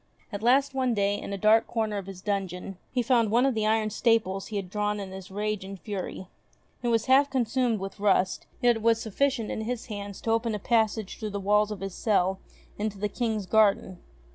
At last one day, in a dark corner of his dungeon, he found one of the iron staples he had drawn in his rage and fury. It was half consumed with rust, yet it was sufficient in his hands to open a passage through the walls of his cell into the King's garden.